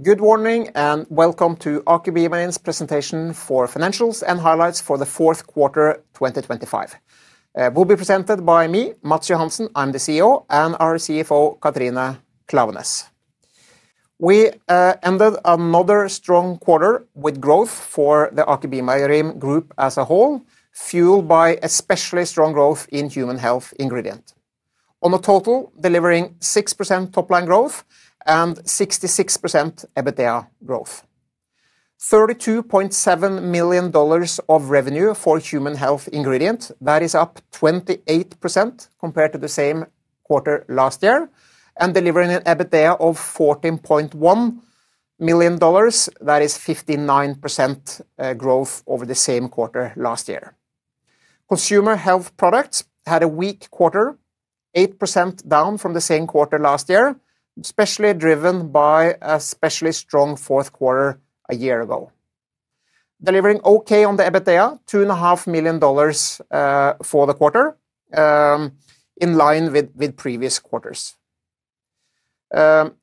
Good morning, and welcome to Aker BioMarine's presentation for financials and highlights for the Q4, 2025. Will be presented by me, Matts Johansen, I'm the CEO, and our CFO, Katrine Klaveness. We ended another strong quarter with growth for the Aker BioMarine group as a whole, fueled by especially strong growth in Human Health Ingredients. On a total, delivering 6% top-line growth and 66% EBITDA growth. $32.7 million of revenue for Human Health Ingredients, that is up 28% compared to the same quarter last year, and delivering an EBITDA of $14.1 million, that is 59% growth over the same quarter last year. Consumer health products had a weak quarter, 8% down from the same quarter last year, especially driven by a especially strong Q4 a year ago. Delivering okay on the EBITDA, $2.5 million for the quarter, in line with previous quarters.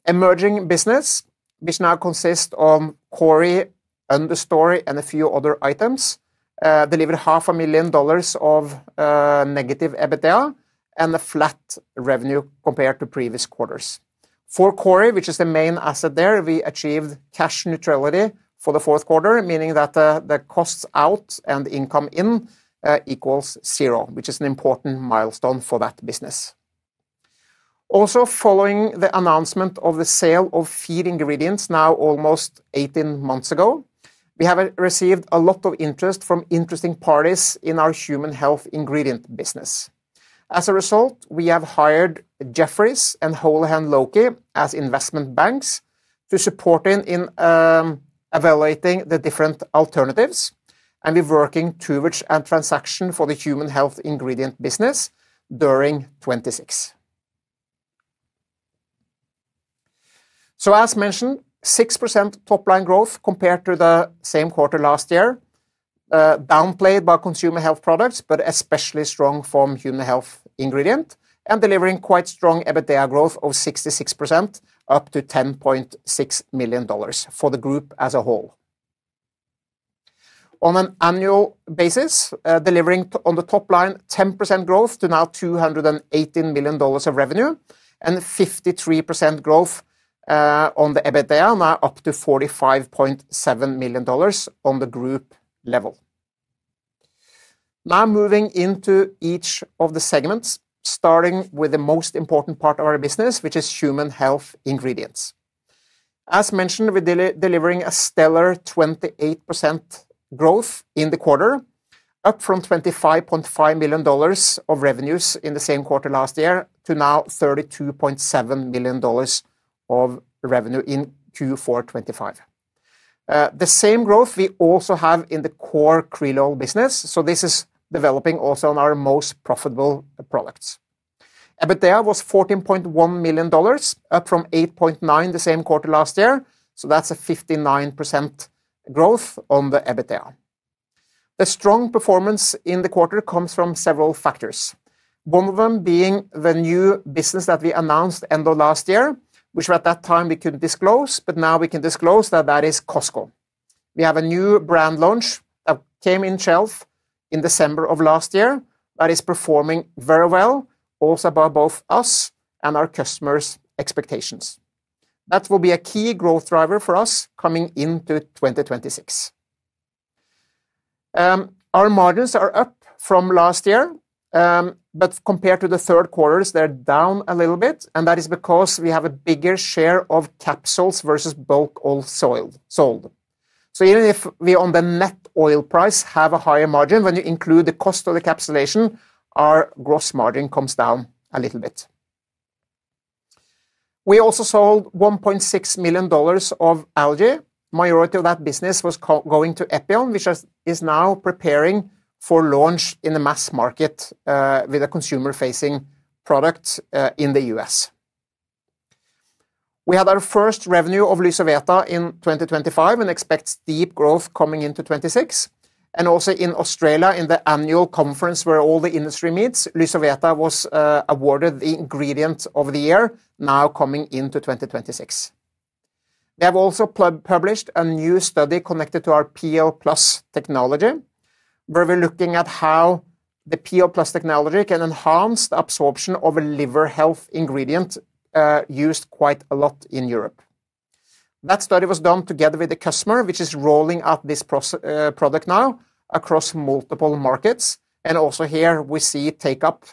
Emerging business, which now consists of Kori, Understory, and a few other items, delivered $500,000 of negative EBITDA and flat revenue compared to previous quarters. For Kori, which is the main asset there, we achieved cash neutrality for the Q4, meaning that the costs out and income in equals zero, which is an important milestone for that business. Also, following the announcement of the sale of feed ingredients now almost 18 months ago, we have received a lot of interest from interested parties in our Human Health Ingredients business. As a result, we have hired Jefferies and Houlihan Lokey as investment banks to support in evaluating the different alternatives, and we're working towards a transaction for the Human Health Ingredients business during 2026. As mentioned, 6% top-line growth compared to the same quarter last year, downplayed by consumer health products, but especially strong from Human Health Ingredients and delivering quite strong EBITDA growth of 66%, up to $10.6 million for the group as a whole. On an annual basis, delivering on the top line, 10% growth to now $218 million of revenue and 53% growth on the EBITDA, now up to $45.7 million on the group level. Now moving into each of the segments, starting with the most important part of our business, which is Human Health Ingredients. As mentioned, we're delivering a stellar 28% growth in the quarter, up from $25.5 million of revenues in the same quarter last year to now $32.7 million of revenue in Q4 2025. The same growth we also have in the Kori krill oil business, so this is developing also on our most profitable products. EBITDA was $14.1 million, up from $8.9 million the same quarter last year, so that's a 59% growth on the EBITDA. The strong performance in the quarter comes from several factors, one of them being the new business that we announced end of last year, which at that time we couldn't disclose, but now we can disclose that that is Costco. We have a new brand launch that came on shelf in December of last year that is performing very well, also above both us and our customers' expectations. That will be a key growth driver for us coming into 2026. Our margins are up from last year, but compared to the Q3, they're down a little bit, and that is because we have a bigger share of capsules versus bulk oil sold. So even if we, on the net oil price, have a higher margin, when you include the cost of the encapsulation, our gross margin comes down a little bit. We also sold $1.6 million of algae. Majority of that business was going to Epion, which is now preparing for launch in the mass market, with a consumer-facing product, in the U.S. We had our first revenue of Lysoveta in 2025 and expect steep growth coming into 2026, and also in Australia, in the annual conference where all the industry meets, Lysoveta was awarded the ingredient of the year, now coming into 2026. We have also published a new study connected to our PL+ technology, where we're looking at how the PL+ technology can enhance the absorption of a liver health ingredient used quite a lot in Europe. That study was done together with the customer, which is rolling out this process product now across multiple markets, and also here we see it take up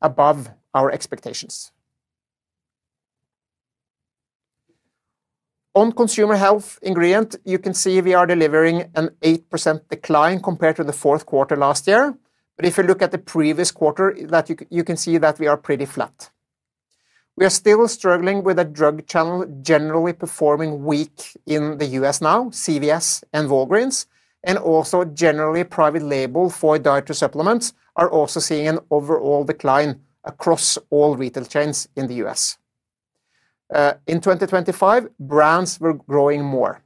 above our expectations. On consumer health ingredient, you can see we are delivering an 8% decline compared to the Q4 last year. But if you look at the previous quarter, you can see that we are pretty flat. We are still struggling with the drug channel, generally performing weak in the U.S. now, CVS and Walgreens, and also generally private label for dietary supplements are also seeing an overall decline across all retail chains in the U.S. In 2025, brands were growing more,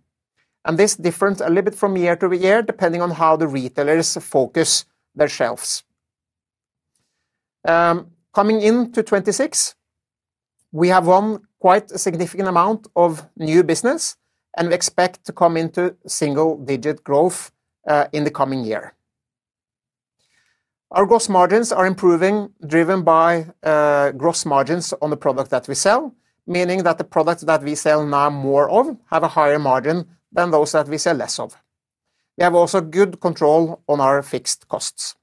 and this differs a little bit from year to year, depending on how the retailers focus their shelves. Coming into 2026, we have won quite a significant amount of new business, and we expect to come into single-digit growth in the coming year. Our gross margins are improving, driven by gross margins on the product that we sell, meaning that the products that we sell now more of have a higher margin than those that we sell less of. We have also good control on our fixed costs.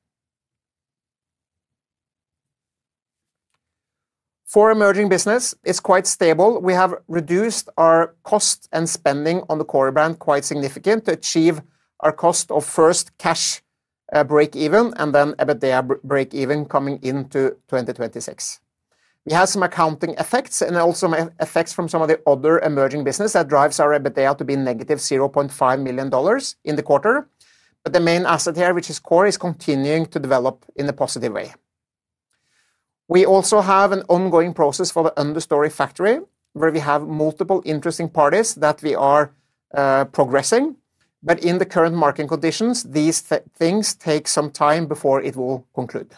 For emerging business, it's quite stable. We have reduced our cost and spending on the Kori brand quite significant to achieve our cost of first cash breakeven and then EBITDA breakeven coming into 2026. We have some accounting effects and also some effects from some of the other emerging business that drives our EBITDA to be negative $0.5 million in the quarter. But the main asset here, which is Kori, is continuing to develop in a positive way. We also have an ongoing process for the Understory factory, where we have multiple interested parties that we are progressing. But in the current market conditions, these things take some time before it will conclude.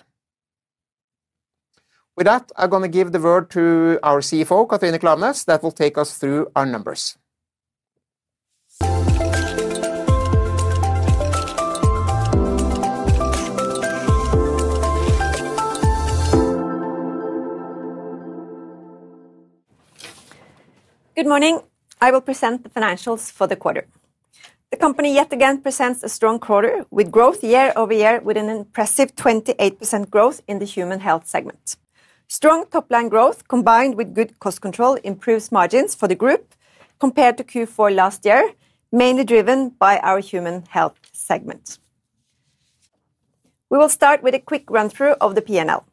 With that, I'm going to give the word to our CFO, Katrine Klaveness, that will take us through our numbers. Good morning. I will present the financials for the quarter. The company yet again presents a strong quarter, with growth year-over-year, with an impressive 28% growth in the human health segment. Strong top-line growth, combined with good cost control, improves margins for the group compared to Q4 last year, mainly driven by our human health segment. We will start with a quick run-through of the P&L.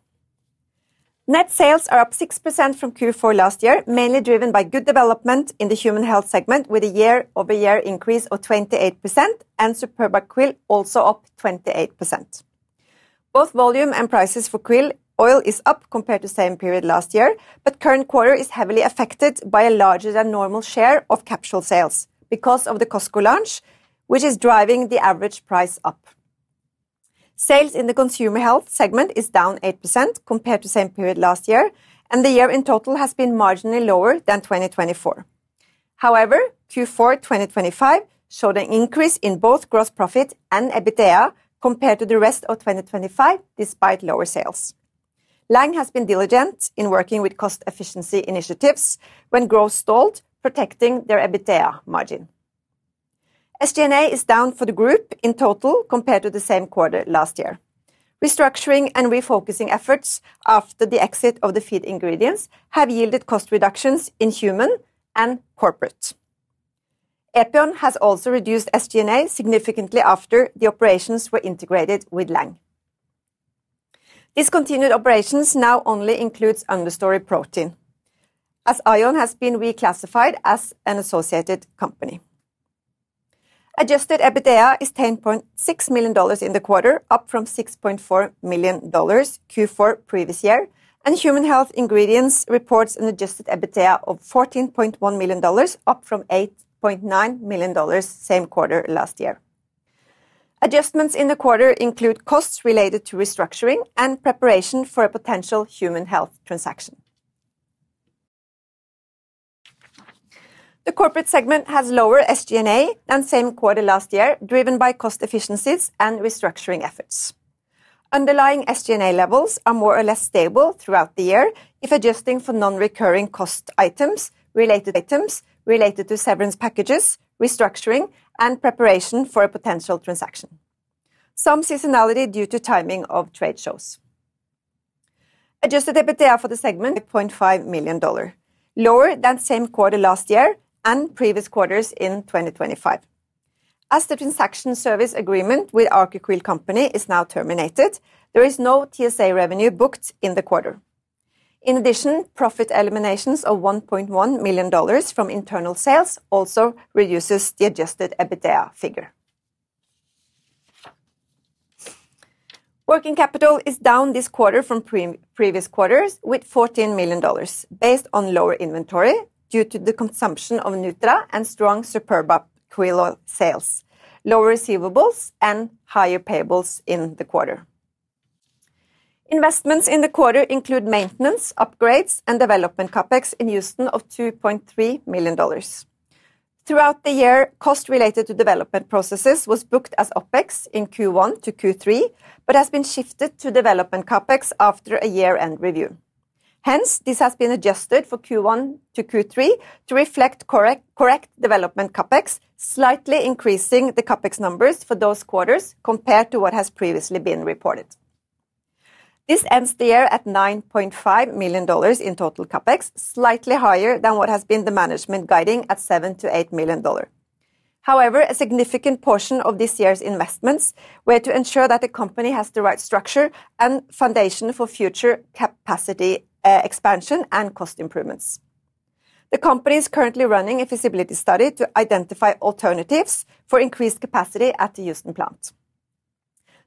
Net sales are up 6% from Q4 last year, mainly driven by good development in the human health segment, with a year-over-year increase of 28% and Superba Krill also up 28%. Both volume and prices for krill oil is up compared to same period last year, but current quarter is heavily affected by a larger than normal share of capsule sales because of the Costco launch, which is driving the average price up. Sales in the consumer health segment is down 8% compared to same period last year, and the year in total has been marginally lower than 2024. However, Q4 2025 saw an increase in both gross profit and EBITDA compared to the rest of 2025, despite lower sales. Lang has been diligent in working with cost efficiency initiatives when growth stalled, protecting their EBITDA margin. SG&A is down for the group in total compared to the same quarter last year. Restructuring and refocusing efforts after the exit of the feed ingredients have yielded cost reductions in human and corporate. Aion has also reduced SG&A significantly after the operations were integrated with Lang. Discontinued operations now only includes Understory Protein, as Aion has been reclassified as an associated company. Adjusted EBITDA is $10.6 million in the quarter, up from $6.4 million Q4 previous year, and Human Health Ingredients reports an adjusted EBITDA of $14.1 million, up from $8.9 million same quarter last year. Adjustments in the quarter include costs related to restructuring and preparation for a potential human health transaction. The corporate segment has lower SG&A than same quarter last year, driven by cost efficiencies and restructuring efforts. Underlying SG&A levels are more or less stable throughout the year if adjusting for non-recurring cost items, related items related to severance packages, restructuring, and preparation for a potential transaction. Some seasonality due to timing of trade shows. Adjusted EBITDA for the segment... $0.5 million dollar, lower than same quarter last year and previous quarters in 2025. As the transaction service agreement with Aker Krill Company is now terminated, there is no TSA revenue booked in the quarter. In addition, profit eliminations of $1.1 million from internal sales also reduces the adjusted EBITDA figure. Working capital is down this quarter from pre-previous quarters, with $14 million, based on lower inventory due to the consumption of Nutra and strong Superba Krill oil sales, lower receivables, and higher payables in the quarter. Investments in the quarter include maintenance, upgrades, and development CapEx in Houston of $2.3 million. Throughout the year, costs related to development processes was booked as OpEx in Q1 to Q3, but has been shifted to development CapEx after a year-end review. Hence, this has been adjusted for Q1 to Q3 to reflect correct, correct development CapEx, slightly increasing the CapEx numbers for those quarters compared to what has previously been reported. This ends the year at $9.5 million in total CapEx, slightly higher than what has been the management guiding at $7-$8 million dollars. However, a significant portion of this year's investments were to ensure that the company has the right structure and foundation for future capacity, expansion and cost improvements. The company is currently running a feasibility study to identify alternatives for increased capacity at the Houston plant.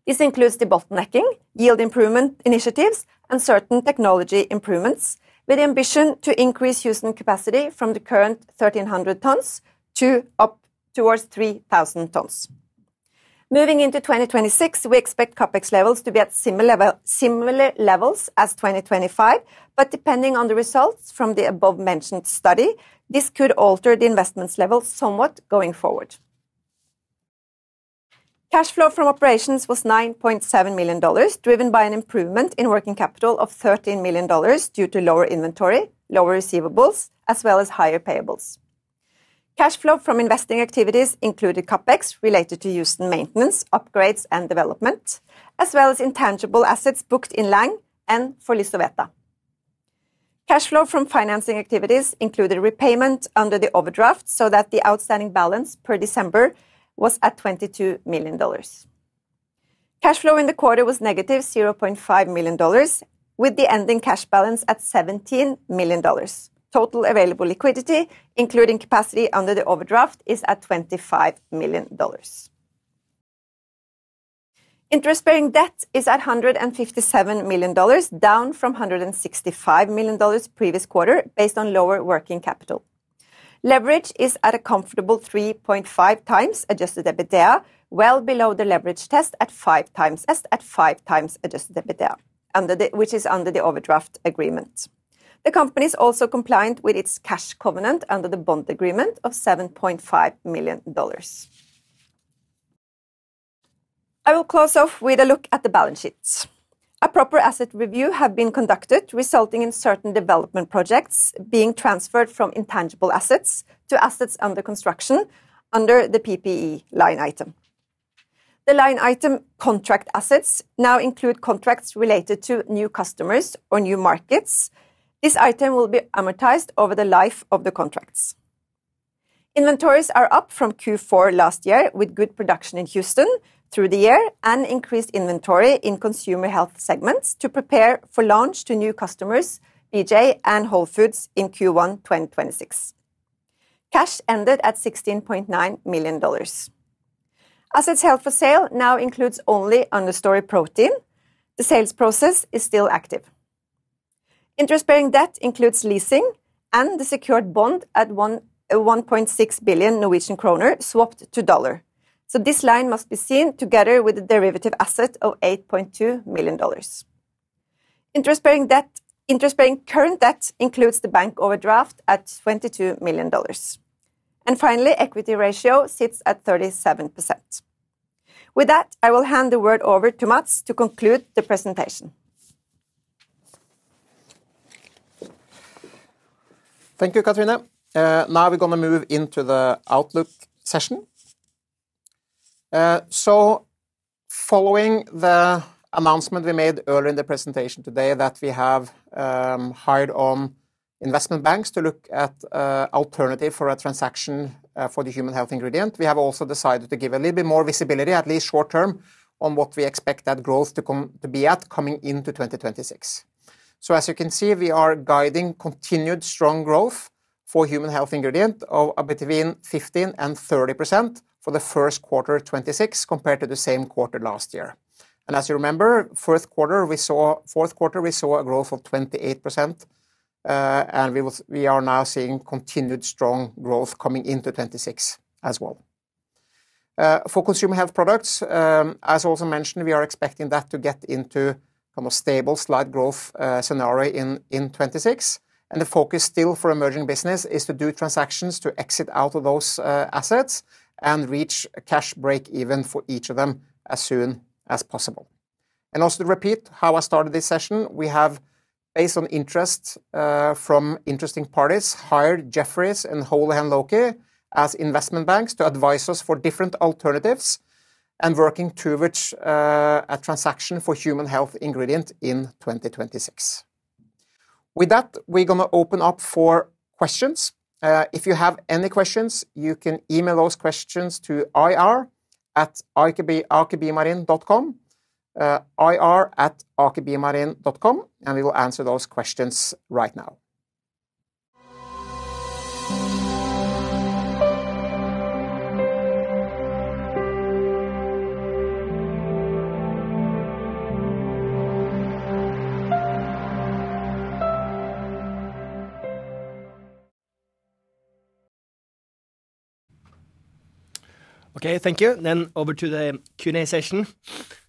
This includes debottlenecking, yield improvement initiatives, and certain technology improvements, with the ambition to increase Houston capacity from the current 1,300 tons to up towards 3,000 tons. Moving into 2026, we expect CapEx levels to be at similar levels as 2025, but depending on the results from the above-mentioned study, this could alter the investments level somewhat going forward. Cash flow from operations was $9.7 million, driven by an improvement in working capital of $13 million due to lower inventory, lower receivables, as well as higher payables. Cash flow from investing activities included CapEx related to Houston maintenance, upgrades, and development, as well as intangible assets booked in Lang and for Lysoveta. Cash flow from financing activities included repayment under the overdraft, so that the outstanding balance per December was at $22 million. Cash flow in the quarter was -$0.5 million, with the ending cash balance at $17 million. Total available liquidity, including capacity under the overdraft, is at $25 million. Interest-bearing debt is at $157 million, down from $165 million previous quarter, based on lower working capital. Leverage is at a comfortable 3.5 times adjusted EBITDA, well below the leverage test at 5 times adjusted EBITDA under the overdraft agreement. The company is also compliant with its cash covenant under the bond agreement of $7.5 million. I will close off with a look at the balance sheet. A proper asset review have been conducted, resulting in certain development projects being transferred from intangible assets to assets under construction under the PPE line item. The line item contract assets now include contracts related to new customers or new markets. This item will be amortized over the life of the contracts. Inventories are up from Q4 last year, with good production in Houston through the year and increased inventory in consumer health segments to prepare for launch to new customers, BJ's and Whole Foods, in Q1 2026. Cash ended at $16.9 million. Assets held for sale now includes only Understory Protein. The sales process is still active. Interest-bearing debt includes leasing and the secured bond at 1.6 billion Norwegian kroner swapped to dollar. So this line must be seen together with the derivative asset of $8.2 million. Interest-bearing current debt includes the bank overdraft at $22 million. And finally, equity ratio sits at 37%. With that, I will hand the word over to Matts to conclude the presentation. Thank you, Katrine. Now we're going to move into the outlook session. So following the announcement we made earlier in the presentation today that we have hired on investment banks to look at alternative for a transaction for the Human Health Ingredients, we have also decided to give a little bit more visibility, at least short term, on what we expect that growth to be at coming into 2026. So as you can see, we are guiding continued strong growth for Human Health Ingredients of between 15% and 30% for the Q1 of 2026, compared to the same quarter last year. As you remember, Q4, we saw a growth of 28%. We are now seeing continued strong growth coming into 2026 as well. For consumer health products, as also mentioned, we are expecting that to get into kind of a stable slight growth scenario in 2026. The focus still for emerging business is to do transactions to exit out of those assets and reach a cash break-even for each of them as soon as possible. Also to repeat how I started this session, we have, based on interest from interested parties, hired Jefferies and Houlihan Lokey as investment banks to advise us for different alternatives and working towards a transaction for Human Health Ingredients in 2026. With that, we're going to open up for questions. If you have any questions, you can email those questions to ir@akerbiomarine.com, ir@akerbiomarine.com, and we will answer those questions right now. Okay, thank you. Then over to the Q&A session.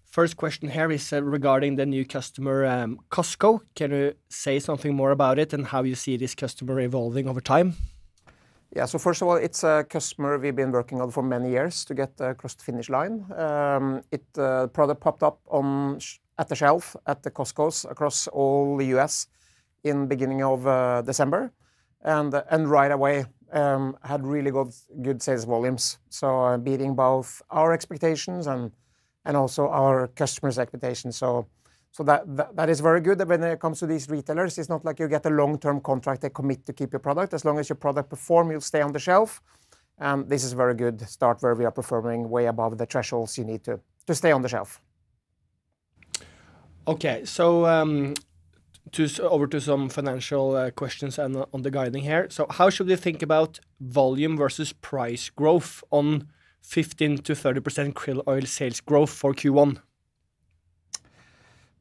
First question here is regarding the new customer, Costco. Can you say something more about it and how you see this customer evolving over time? Yeah. So first of all, it's a customer we've been working on for many years to get across the finish line. Product popped up on the shelf at the Costcos across all the U.S. in beginning of December, and right away had really good sales volumes, so beating both our expectations and also our customers' expectations. So that is very good. When it comes to these retailers, it's not like you get a long-term contract. They commit to keep your product. As long as your product perform, you'll stay on the shelf. And this is a very good start, where we are performing way above the thresholds you need to stay on the shelf. Okay, so, over to some financial questions and on the guidance here. So how should we think about volume versus price growth on 15%-30% krill oil sales growth for Q1?...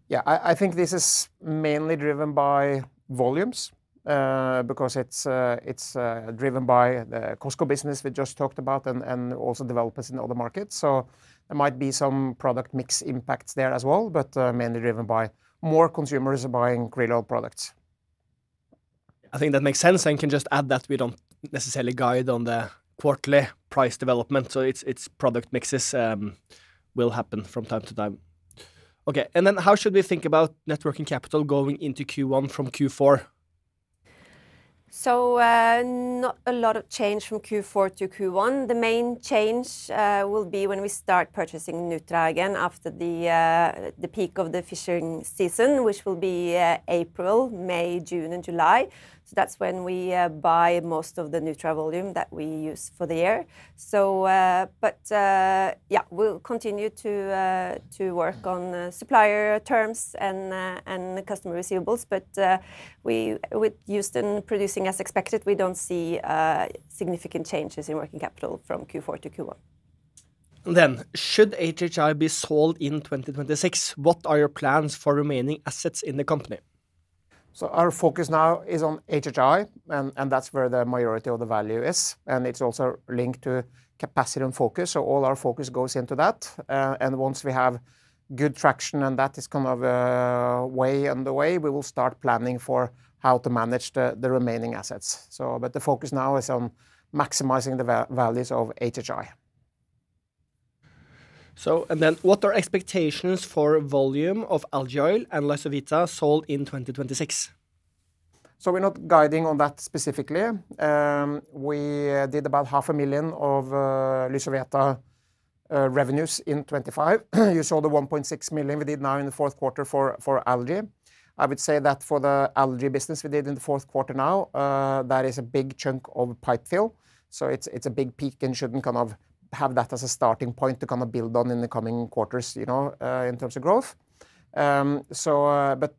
Yeah, I think this is mainly driven by volumes, because it's driven by the Costco business we just talked about and also developers in other markets. So there might be some product mix impacts there as well, but mainly driven by more consumers buying krill oil products. I think that makes sense, and can just add that we don't necessarily guide on the quarterly price development, so it's product mixes will happen from time to time. Okay, and then how should we think about net working capital going into Q1 from Q4? So, not a lot of change from Q4 to Q1. The main change will be when we start purchasing nutra again after the peak of the fishing season, which will be April, May, June, and July. So that's when we buy most of the nutra volume that we use for the year. But, yeah, we'll continue to work on the supplier terms and the customer receivables. But, with Houston producing as expected, we don't see significant changes in working capital from Q4 to Q1. Should HHI be sold in 2026? What are your plans for remaining assets in the company? Our focus now is on HHI, and that's where the majority of the value is, and it's also linked to capacity and focus, so all our focus goes into that. And once we have good traction, and that is kind of well on the way, we will start planning for how to manage the remaining assets. But the focus now is on maximizing the values of HHI. What are the expectations for volume of Algae Oil and Lysoveta sold in 2026? So we're not guiding on that specifically. We did about $500,000 of Lysoveta revenues in 2025. You saw the $1.6 million we did now in the Q4 for algae. I would say that for the algae business we did in the Q4 now, that is a big chunk of pipe fill. So it's a big peak, and shouldn't kind of have that as a starting point to kind of build on in the coming quarters, you know, in terms of growth. So but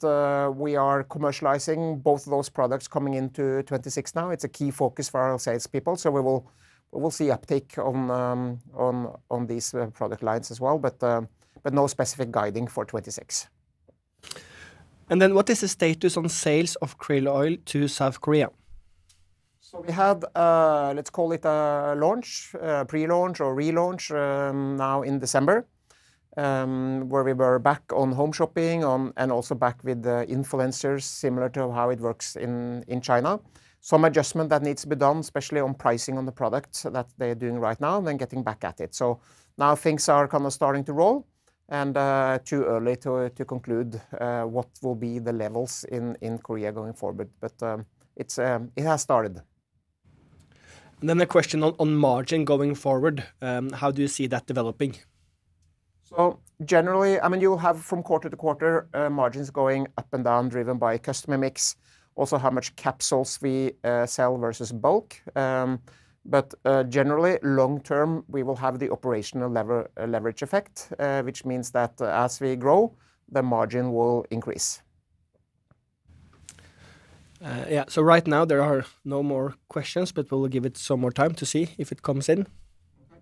we are commercializing both of those products coming into 2026 now. It's a key focus for our salespeople, so we'll see uptake on these product lines as well. But no specific guiding for 2026. What is the status on sales of krill oil to South Korea? So we had, let's call it a launch, pre-launch or relaunch, now in December, where we were back on home shopping, and also back with the influencers, similar to how it works in China. Some adjustment that needs to be done, especially on pricing on the products that they're doing right now, and then getting back at it. So now things are kind of starting to roll and, too early to conclude, what will be the levels in Korea going forward. But, it's... It has started. Then a question on margin going forward. How do you see that developing? So generally, I mean, you have from quarter-to-quarter, margins going up and down, driven by customer mix, also how much capsules we sell versus bulk. But generally long term, we will have the operational lever, leverage effect, which means that as we grow, the margin will increase. Yeah. So right now there are no more questions, but we'll give it some more time to see if it comes in. Okay.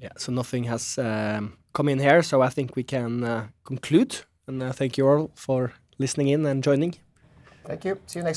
Yeah, so nothing has come in here, so I think we can conclude. Thank you all for listening in and joining. Thank you. See you next time.